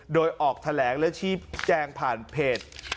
โดยออกแถลงและชี้แจงผ่านเพจ